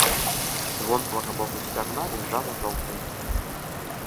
З вонкавага боку сцягна іржава-жоўтыя.